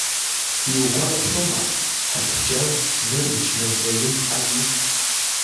Иугәалашәома, Фаҭџьал зны дычмазаҩымхази?